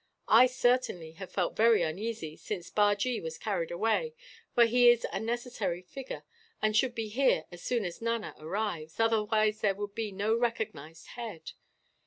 I certainly have felt very uneasy, since Bajee was carried away; for he is a necessary figure, and should be here as soon as Nana arrives, otherwise there would be no recognized head.